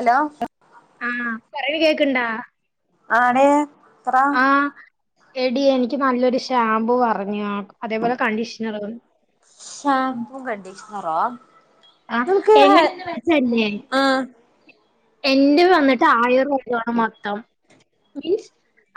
Hello ആ പറയൂ കേക്ണ്ടോ. ആടേ പറ [inaudible] ആ എടീ, എനിക്ക് നല്ലൊരു ശാമ്പൂ പർഞ്ഞാ അതേപോലെ കണ്ടീഷ്ണർ മ്പും കണ്ടീഷ്ണറാ നമ്ക്ക് എങ്ങനെ [unintelligible] തന്നെ ആ എന്റെ വെന്നിട്ട് ആയിറോപ്യാണ് മൊത്തം മീൻ സ്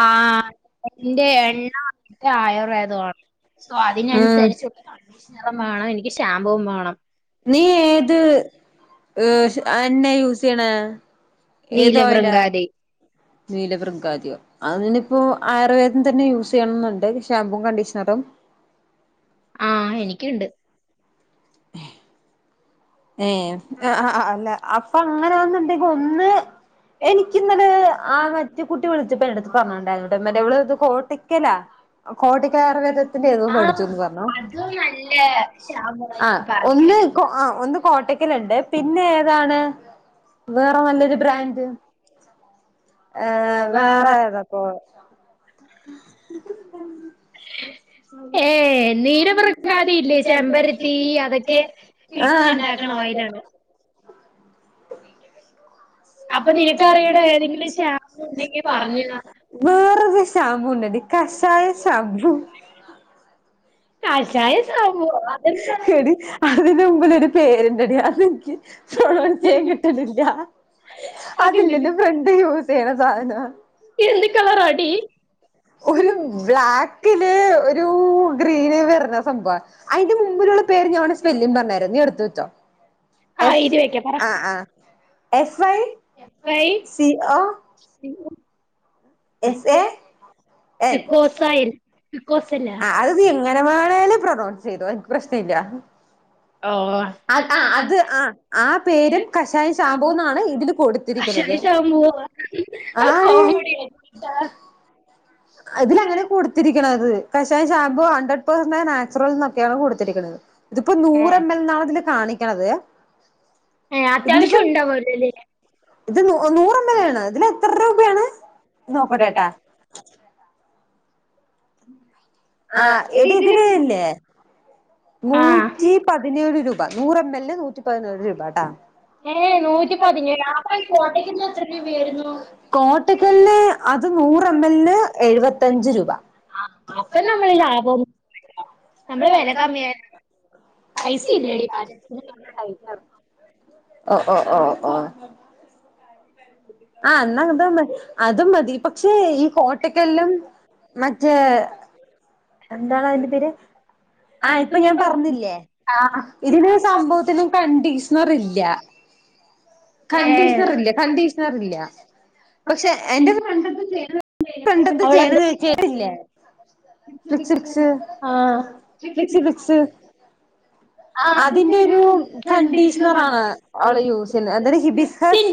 ആ എന്റെ എണ്ണം [unintelligible] ആയുർവേദാണ് ഊഹ് ഉം വേണം എനിക്ക് ഷാമ്പൂവും വേണം [inaudible] നീ, ഏത്! ഉഹ് എണ്ണേ യൂസെയ്യണെ? നീലവൃംഗാദി നീലവൃഗ്യാതിയോ അയിനിപ്പോ ആയുർവേദം തന്നെ യൂസ് ചെയ്യണംന്ന്ണ്ട് ശാമ്പൂ കണ്ടീഷ്ണറും ആഹ ഹെനിക്യൂണ്ട് [inaudible] ഏ! എ അ അഅല്ല അപ്പ അങ്ങനൊന്നുണ്ടെങ്കിൽ ഒന്ന് എനിക്കിന്നെലെ ആ മറ്റെ കുട്ടി വിളിച്ചപ്പോ! എടുത്ത് പറഞ്ഞട്ടുണ്ടായിരുന്നോട്ടാ [unintelligible] ഇത് കോട്ടക്കലാ കോട്ടക്കൽ ആയുർവേദത്തിന്റെ [unintelligible] വേടിച്ചുന്ന് പറഞ്ഞു ആഹ്! ഒന്ന് ആഒന്ന് കോട്ടക്കല്ണ്ട് പിന്നെ ഏതാണ്? വേറെ നല്ലൊരു ബ്രാൻഡ് ഏ വേറെ ഏതാപ്പോ? [unintelligible] ഏഹേ നീലവൃങ്കാതി ഇല്ലേ! ചെമ്പരത്തി അതൊക്കെ ആ ഇട്ടി ഇണ്ടാക്ക്ണ ഓയിലാണ്. അപ്പൊ നിനക്കറിയണ നിനക്ക്റിഞ്ഞൂടെ ഏതെങ്കിലും ഉണ്ടെങ്കി പറഞ്ഞ് [unintelligible] വേറൊരു ശാമ്പുണ്ടെടി കഷായ ഷാബ്രു താ കഷായ സംഭവം [unintelligible] എടിയ് അതിന മുമ്പിലൊരു പേരുണ്ടടി അതെനിക്ക് [unintelligible] കിട്ടിണില്ല അതെന്താ അതില്ലെന്ന് ഫ്രണ്ട് യൂസ് ചെയ്യണ സാധനാ എന്ത് കളറാടി [unintelligible] ഒരു ബ്ലാക്ക് കില് ഒരു ഗ്രീനി വരുന്ന സംഭൻ അയിന്റെ മുമ്പിലുള്ള പേര് ഞാൻ വേണ സ്പെല്ലിം പറഞ്ഞുത്തര നീ എടുത്ത് വെച്ചോ ആ ഇത് വെക്ക പറ ആഹ് ആഹ് F I C O E um S A N പോസൈൻ പോസന്‍ പിക്കോസല്ല ആഹ് അത് നീ എങ്ങനെ വേണാലും പ്രൊനൗൺസ് ചെയ്തോ എനിക്ക് പ്രശ്നം ഇല്ല ഓ അഹ് ആഹ് അത് ആഹ് ആ പേരും കഷായഷാബൂന്നാണ് ഇതില് കൊട് തിരിക്ക്ണത്‌ ശേഷാവുമ്പോ ആരേ ഇതില അങ്ങനെ കൊടുത്തിരിക്കണത് കഷയ ഷാംമ്പൂ അണ്ടർ പേഴ്സണൽ നാച്ചുറൽ ന്നൊക്കെയാണ് കെടുത്തിരിക്കണത് ഇതിപ്പോ നൂറ് എം എൽ ന്നാണ് ഇതില് കാണിക്ക്ണത് ഏ ഇതിലിപ്പോ അത്യാവശ്യം ഉണ്ടാവൂലല്ലേ ഇത് നൂ നൂറമ്പൽ ആണ് ഇതില് എത്ര രൂപയാണ് നോക്കട്ടേട്ടാ ആഹ് എടി ഇതില് ഇല്ലോ നൂറ്റി പതിനേഴ് രൂപ നൂറ് എം എല്ലിന് നൂറ്റി പതിനേഴ് രൂപട്ടാ ഏ ഏഹ് നൂറ്റി പതിനേഴ് നൂറ്റിപതിനേഴ് അപ്പ [unintelligible] എത്ര രൂപയായിരുന്നുകോട്ടക്കല് അത് നൂറ് എം എല്ലിന് എഴുപത്തഞ്ച് രൂപ അപ്പ നമ്മള് ലാഭം നമ്മള് വെല കമ്മിയ പൈസ ഇല്ലടി പറ്റു [inaudible] ഓ ഓ ഓ ഓ ആഹ് എന്നാ അത് അതും മതി പക്ഷെ ഈ കോട്ടക്കെല്ലും മറ്റേ എന്താണ് അതിന്റെ പേര് ആഹ് ഇപ്പൊ ഞാൻ പറഞ്ഞില്ലേ ഇതിന് സംഭവത്തിന്കണ്ടീഷണർ ഇല്ല ഏ കണ്ടീഷണറില്ലേ കണ്ടീ ക്കാറില്ല പക്ഷേ എന്റെ ഇപ്പണ്ട് അവളെന്ത് ചെയ്യണത് ചെറില്ലേ? [unintelligible] ആ ലിക്സി ഫിക്സ് അതിന്റെരൂ കണ്ടീഷണർ ആണ് അവള് യൂസില്ല എന്താടി ഹിബി സ്കസ്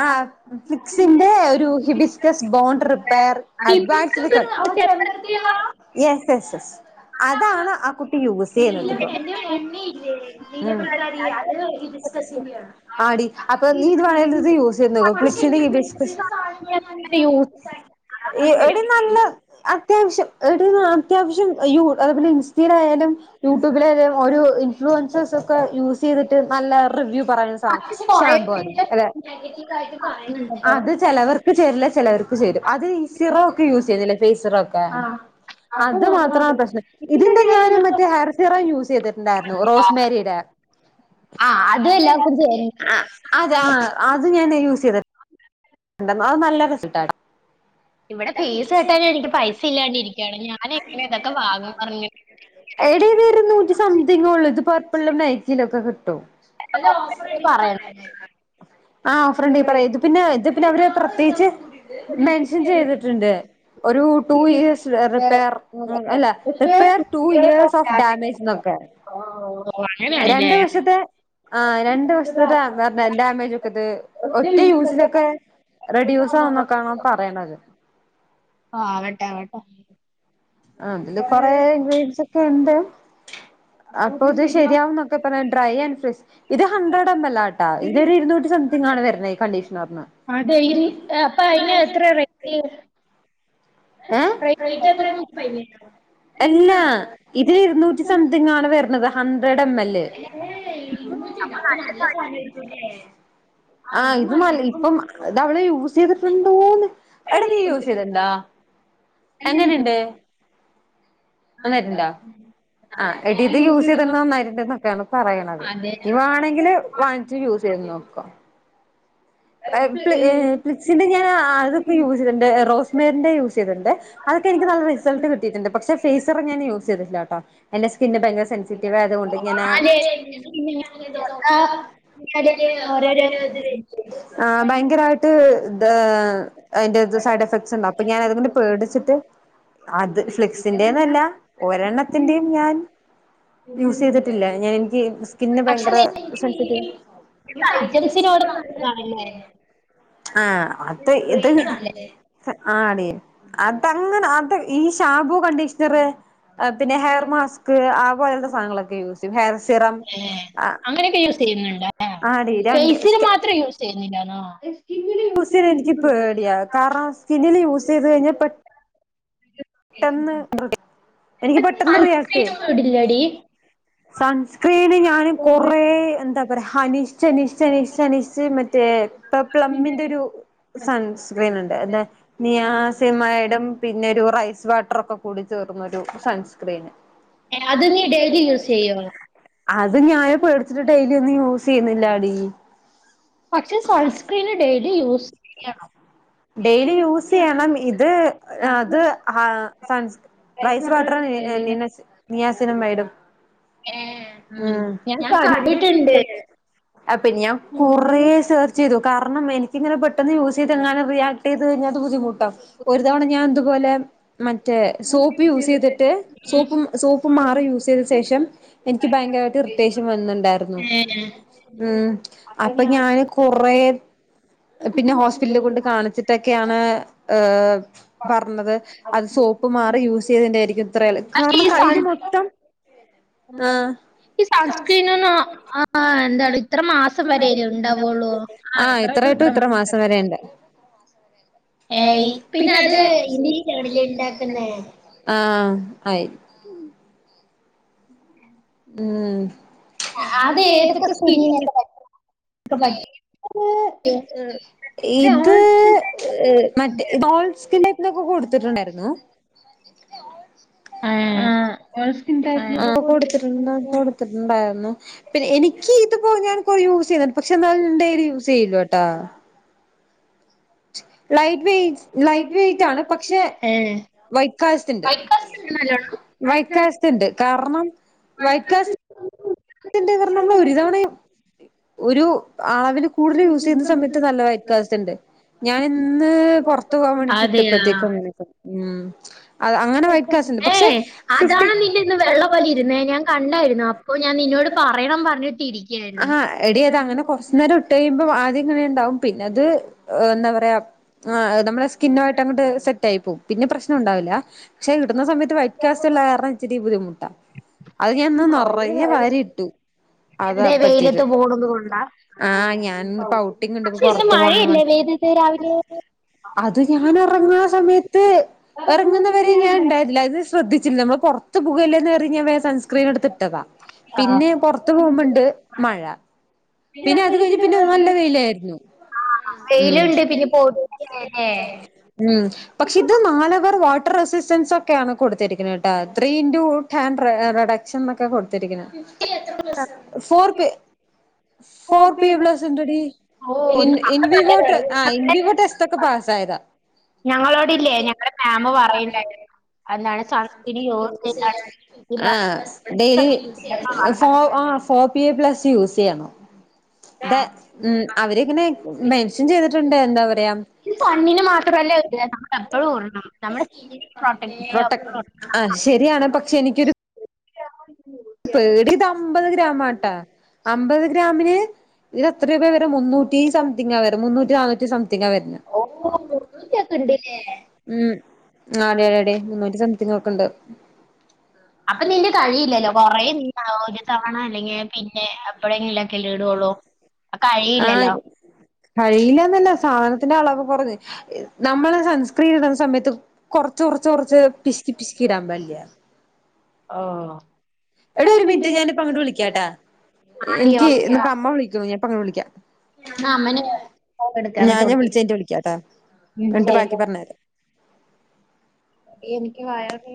ആഹ് ഫ്ലിക്സിന്റെ ഒരു hibiscus bond repair advance yes yes yes അതാണ് ആ കുട്ടി യൂസ് ചെയ്യുന്നത് ചെറുപ്പത്തി നീലഭൃംഗാദി അത് ഈ ഡിസ്കസിന്റെ ആണ് ആടി അപ്പൊ നീ ഇത് വേണങ്കിൽ ഇത് യൂസ് ചെയ്തു നോക്ക് പിച്ചിനീ ഡിസ്കസ് [inaudible] യൂസ് എടി നല്ല അത്യാവശ്യം എടി അത്യാവശ്യം യൂ അത് പിന്നെ ഇൻസ്റ്റെലായാലും യൂട്യൂബിലെലും ഓര് ഇൻഫ്ലുവൻസേസ്ക്കെ യൂസ് ചെയ്തിട്ട് നല്ല റിവ്യൂ പറയ്ണെ ആണ് കൊറേ ഷാംപൂവത് അതെ ണ്ടോ അത് ചെലവർക്ക് ചേരില്ല ചേ ചിലർക്ക് ചേരും അത്ഈ സിറോ ഒക്കെ യൂസ് ചെയ്യുന്നില്ലേ ഫേസ് സിറോ ഒക്കെ ആ അത് മാത്രമാണ് പ്രശ്നം ഇതിന്റെ ഞാനും മറ്റേ ഹെയർ സീറം യൂസ് ചെയ്തിട്ടുണ്ടായിരുന്നു റോസ് മേരിടെ ആ അത് എല്ലാവർക്കും ചെയ്യണം ആഹ് അതെ അത് ഞാൻ യൂസെയ്ത് എന്തന്നള് നല്ല റിസൾട്ട് ആടാ ഇവിടെ ഫേസ് കേട്ടാന്നും എനിക്ക് പൈസ ഇല്ലാണ്ടി ഇരികയാണ് ഞാന്‌ എങ്ങനെ ഇതൊക്കെ വാങ്ങും പറഞ്ഞ് എടി ഇത് ഒരു നൂറ്റി സംതിങ്ങ് ഒള്ളൂ ഇത് പർപ്പിൾ മൈജിലുക്കെ കിട്ടും ഐല് ഓഫർ ഉണ്ടെങ്കിൽ പറയണ്ടേ പറഞ്ഞേര് ആ ഓഫർണ്ടങ്കിൽ പറയാ ഇത് പിന്നെ ഇത് പിന്നെ പ്രത്യേകിച്ച് മെൻഷൻ ചെയ്തിട്ടുണ്ട് ഒരു ടു ഇയസ് റിപ്പയർ അല്ല പക്ഷേ repair two years of damage ന്നൊക്കെ ഓ, അങ്ങനെയാണല്ലേ രണ്ടു വർഷത്തെ ആഹ് രണ്ടു വർഷത്തെ ഡാന്ന് പറഞ്ഞു ഡാമേജ ഒക്കെത് ഒറ്റ യൂസിനൊക്കെ റെഡിയൂസ് ആകുന്നൊക്കാണ് പറയ്ണത് ആഹ ആവട്ടെ ആവട്ടെ ആ അതില് കൊറെ ഇൻഗ്രീഡിയൻസ് ഒക്കെ ഉണ്ട്. അപ്പൊ ഇത് ശരിയാവും എന്നൊക്കെ പറഞ്ഞ ഡ്രൈ ആൻഡ് ഫ്രഷ് ഇത് ഹൺഡ്രഡ് എം എൽ ആ. ആ ഇതൊരു ഇരുന്നൂറ്റി സംതിങ് ആണ് വരുന്ന ഈ കണ്ടീഷ്ണർന് അതെ! ഇൻ അപ്പൊ അയിന് എത്ര റയ്റ്റ്? ഏ റെയിറ്റ് എത്ര എന്ന് പറഞ്ഞു തെരോ? അല്ലാ ഇതിൽ ഇരുന്നൂറ്റി സംതിങ്ങ് ആണ് വരുന്നത് ഹൺഡ്രഡ് എംഎല്ലേ [unintelligible] ആ ഇത് നല്ല ഇപ്പം താ അവൾ യൂസ് ചെയ്തിട്ടുണ്ടോന്ന്. എട നീ യൂസ് ചെയ്തിട്ടുണ്ടാ! എങ്ങനെയുണ്ട്? ആരുണ്ടോ മ് ആ എടീ ഇത് യൂസ് ചെയ്ത് നന്നായിണ്ട് എന്നൊക്കെയാണ് പറയണത് ഇനി വാണെങ്കില് ആ, [unintelligible] വാങ്ങിച്ച് യൂസ് ചെയത് നോക്കോ? എ പ്ളി എ ഫ്ലിക്സിന്റെ ഞാൻ അതൊക്കെ യൂസ് ചെയ്തിട്ടണ്ട് റോസ്മേറിന്റെ യൂസ് ചെയ്തിണ്ട്. അതൊക്കെ എനിക്ക് നല്ല റിസൾട്ട കിട്ടിയിട്ട്‌ണ്ട് പക്ഷെ ഫേസർ ഞാൻ യൂസ് ചെയ്തിട്ടില്ല കേട്ടോ. എന്റെ സ്കിന്ന് ഭയങ്കര സെൻസിറ്റീവ് ആയതുകൊണ്ട് ഞാനാ ആരെ തെ തൊട്ട തൊട്ടാ ഞാന് ഓരോരോ [unintelligible] [inaudible] ആ ഭയങ്കരയിട്ട് ത് അതിന്റെറ ത് സൈഡ് എഫക്ട്സ് ഉണ്ടാകും അപ്പൊ ഞാൻ അതുകൊണ്ട് പേടിച്ചിട്ട് അത് ഫ്ലിക്സിന്റെന്നല്ല ഒരെണ്ണത്തിന്റെയും ഞാൻ യൂസ് ചെയ്തിട്ടില്ല ഞാൻ എനിക്ക് സ്കിന്ന പക്ഷെ ഭയങ്കര സെൻസിറ്റീവ് ഐറ്റംസിനോട് നല്ലതാണല്ലേ ആ അത് ഇത് ഇതാണല്ലേ ആടി അതങ്ങനെ അത ഈ ഷാംമ്പൂ കണ്ടീഷണർ പിന്നെ ഹെയർ മാസ്ക് ആ പോലത്തെ സാധനങ്ങളൊക്കെ യൂസ് ചെയ്യും ഹെയർ സിറം ആ അങ്ങനെയൊക്കെ യൂസ് ചെയ്യുന്നുണ്ട ആടി രണ്ട് ഫേസ്സിന മാത്രം യൂസ് ചെയ്യുന്നില്ലാണോ യൂസ് ചെയ്യാൻ എനിക്ക് പേടിയ കാരണം സ്കിന്നില് യൂസ് ചെയ്ത് കഴിഞ്ഞാൽ പെട്ട പെട്ടെന്ന് എനിക്ക് പെട്ടെന്ന് റിയാക്ട് സൺസ്ക്രീൻ ഒന്നും ഇടില്ലടി ചെയ്യ സൺസ്ക്രീന് ഞാനൻ കുറെേ എന്താ പറയാ അനിഷ്ഠ അനിഷ്ഠനിഷ് അനിഷ മറ്റേ ഇപ്പൊ പ്ലബിന്റെ ഒരു സൺസ്ക്രീൻ ഉണ്ട് അത നിയസിമായിടം പിന്നെ ഒരു റൈസ് ബട്ടറൊക്കെ കൂടി ചേർന്നൊ ഒരു സൺസ്ക്രീന് ഏ അത് നീ ഡെയിലി യൂസ് ചെയ്യോ അത് ഞാൻ പേടിച്ചിട്ട് ഡെലി ഒന്നും യൂസ് ചെയ്യുന്നില്ല അടി പക്ഷെ സൺസ്ക്രീന് ഡെയിലി യൂസ് ചെയ്യണം ഡെയിലി യൂസ് ചെയ്യണം ഇത് അത് ആ സൺ റൈസ് വാട്ടർ നിയസിനും മേഡും ഏ ഉ ഞാൻ കണ്ടിട്ടുണ്ട് അ പിന്നെ ഞാ കുറെേ സെർച്ച് ചെയ്തു കാരണം എനിക്കങ്ങനെ പെട്ടെന്ന് യൂസ് ചെയ്ത് എങ്ങാന് റിയാക്ട് ചെയ്ത് കഴിഞ്ഞാ ബുദ്ധിമുട്ട ഒരു തവണ ഞാൻ ഇതുപോലെ മറ്റേ സോപ്പ് യൂസ് ചെയ്തിട്ട് ഉം സോപ്പ് സോപ്പ് മാറി യൂസ് ചെയ്ത ശേഷം എനിക്ക് ഭയങ്കരമായിട്ട് ഇറിട്ടേഷൻ വന്നണ്ടായിരുന്നു ഏഹ് ഉ അപ്പൊ ഞാന് കുറ പിന്നെ ഹോസ്പിറ്റല കൊണ്ട് കാണിച്ചിട്ട ഇതക്കെയാണ് പറഞ്ഞത് അത് സോപ്പ് മാറി യൂസ് ചെയ്തതിന്റെയാരിക്കും ത്രള് പക്ഷെ കാരണം ഈ സൺ കയ്യില് മൊത്തം ഈ ആഹ സൺസ്ക്രീനൊന്നും ആഹ് എന്താണ് ഇത്ര മാസം വരെയല്ലേ ഉണ്ടാവുള്ളൂ ആഹ ഇത്രായിട്ടും ഇത്ര മാസം വരെുണ്ട് [inaudible] ഏ പിന്നെ അത് ഇന്ദി ച [unintelligible] ഇണ്ടാകുന്നെ ആഹ ആയി ഉം അത് ഏതൊക്കെ [unintelligible] [unintelligible] [unintelligible] ഇത് മറ്റ് ഓൾ സ്കിൻ ടൈപ് ഇന്നൊക്കെ കൊടുത്തിട്ടുണ്ടായിരുന്നു ആ ഓൾ സ്കിൻ ടൈപ്പിനൊക്കെ കൊടുതിട്ടുണ്ട് ഉണ്ടായിരുന്നു പിന്നെ എനിക്ക് ഇത് പോ ഞാൻ കുറേ യൂസ് ചെയ്യുന്നുണ്ട് പക്ഷെ എന്നാ ഡെയിലി യൂസ് ചെയ്ല്ലോ ട്ടോ [inaudible] ലൈറ്റ് വെറ്റ്സ്‌ ലൈറ്റ് വെറ്റ് ആണ് പക്ഷെ ഏഹ് ഏ വൈ കാസ്റ്റ് ഇണ്ട് വൈറ്റ് സ്കിൻ നല്ലോണം വൈകാസ്റ്റ് ഇണ്ട് കാരണം വൈകാസ്റ്റ് [unintelligible] ത്തിന്റെ [unintelligible] നമ്മൾ ഒരു തവണയും ഒരു അളവിൽ കൂടുതൽ യൂസ് ചെയ്യുന്ന സമയത്ത് നല്ല വൈകാസ്റ്റ് ഇണ്ട് ഞാൻ ഇന്ന് പുറത്തു പോവാൻ വേണ്ടിട്ട് അതെയാ ഇട്ടപ്പത്തേക്കങ്ങനക്ക മ് [unintelligible] ഏ അതാണ് നിന്റെ ഇന്ന് വെള്ളം പോലെ ഇരുന്നേ ഞാൻ കണ്ടാർന്നു ഞാൻ നിന്നോട് പറയണം പറഞ്ഞിട്ടിരിക്കയായിരുന്നു [inaudible] കഴിയുമ്പം ആദ്യം ആങ്ങനെണ്ടാവും പിന്നെ അത്‌ എന്താ പറയാ ആ നമ്മളെ സ്കിൻ ടൈപ്പും പിന്നെ പ്രശ്നണ്ടാവൂല പക്ഷെ ഇടുന്ന സമയത്ത് വയ് ക്യാസ്റ്റള്ള കാരണം ഇച്ചിരി ബുദ്ധിമുട്ടാ അത് ഞാൻഇന്ന് നിറയെ വാരി ഇട്ടു അതാ എന്തെ വെയിലത്ത് പോണത് കൊണ്ടാ ആ ആഹ് ഞാൻ ഇന്ന് ഞാനിന്നിപ്പോ ഔട്ടിംഗ് [inaudible] ഉണ്ട് പക്ഷെ ഇന്ന് മഴയല്ലേ പെയ്തത് രാവിലെ അത് ഞാൻ ഇറങ്ങുന്ന സമയത്ത് ഇറങ്ങുന്നവരെ ഞാൻ ഉണ്ടായിരില്ല അത് ശ്രദ്ധിച്ചില്ല നമ്മൾ പുറത്ത് പോകെല്ലേന്ന് കരുതി ഞാൻ വേഗം സൺസ്ക്രീൻ ഇട്ത് ഇട്ടതാ ആഹ് പിന്നെ പുറത്തു പോകുമ്പണ്ട് മഴ പിന്നെ അത് കഴിഞ്ഞ പിന്നെ നല്ല വെയിലായിരുന്നു മ് വെയിലുണ്ട് പിന്നെ പോയിട്ടില്ലേ മ് [inaudible] പക്ഷെ ഇത് നാല് ഹവർ വാട്ടർ റെസിസ്റ്റൻസ് ഒക്കെയാണ് കൊടുത്തിരിക്കുന്നത് കേട്ടാ three in to hand reduction ഒക്കെ കൊടുത്തിരിക്കുന്നെ [inaudible] ഫോർ ഫോർ പി പ്ലസ് ഉണ്ടെടി ഓ ഒരു ഇൻ പിന്നെ ഇൻ കഥ വോട്ടർ ആ ഇൻ നല്ലതാണ്. വോട്ട സ്റ്റ്‌ ക്കെ പാസ്സായതാ ഞങ്ങളോട് ഇല്ലേ ഞങ്ങള മാം പറയിണ്ടായിരുന്നു ഈ ആ പ്ലസ് ഡെയിലി [inaudible] ഫോ ആ four P A plus use ചെയ്യണം ആ താ മ് അവരിങ്ങനെ മെൻഷൻ ചെയ്തിട്ടുണ്ട് എന്താ പറയാ പണ്ണിന് മാത്രല്ല ഇടൽ നമ്മള് എപ്പയും ഇടണം നമ്മടെ [inaudible] പ്രൊട്ടക്റ്റ് ആ ശരിയാണ് പക്ഷെ എനിക്കൊരു പേടി ഇത് അമ്പത് ഗ്രാമാട്ടാ അമ്പത് ഗ്രാമിന് ഇത് എത്ര [unintelligible] വരെ മുന്നൂറ്റി സംതിങ് വരാ മുന്നൂറ്റി നാനൂറ്റി സംതിങ്ങാ വരുന്നെ ഓ, മുന്നൂറ്റി ഇതൊക്കെ ഒക്കെ ഉണ്ട്. ഇണ്ട് അല്ലേ മ് ആദേടിടി ടി മുന്നൂറ്റി സംതിങ് ഒക്കെണ്ട് അപ്പൊ നിന്റെ കഴിയില്ലല്ലോ കൊറേ നീ ഒരു തവണ അല്ലെങ്കിൽ പിന്നെ എപ്പഴെങ്കിലൊക്കെല്ലെ ഇടോള്ളൂ കഴിയില്ലല്ലോ കഴിയില്ലന്നല്ല സാധനത്തിന്റെ അളവ് കുറഞ്ഞ് നമ്മള് സൺസ്ക്രീൻ ഇടുന്ന സമയത്ത് കൊറച്ച് കുറച്ച് കുറച്ച് പിശ്ക്കി പിശ്ക്കി ഇടാൻ പാടില്ല ഓഹ് എടി ഒരു മിനിറ്റ് ഞാന് ഇപ്പൊ അങ്ങട്ട് വിളിക്കാട്ടാ ആടി എനിക്ക് ഓക്കെ ഇപ്പ അമ്മ വിളിക്കുന്നു ഞാൻ ഇപ്പ അങ്ങട്ട് വിളിക്കാ [inaudible] അമ്മന് എടുക്കാൻ ഞാനും [unintelligible] ച് കഴിഞ്ഞിട്ട് വിളിക്കാട്ടാ എന്നിട്ട് ശരി ബാക്കി പറഞ്തരാ എനിക്ക് വയറ്